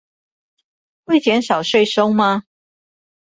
會減少稅收嗎？